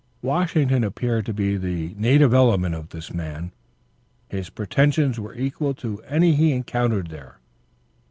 Washington appeared to be the native element of this man. His pretentions were equal to any he encountered there.